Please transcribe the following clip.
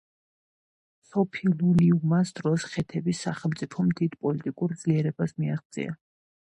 სუფილულიუმას დროს ხეთების სახელმწიფომ დიდ პოლიტიკურ ძლიერებას მიაღწია.